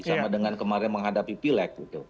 sama dengan kemarin menghadapi pilek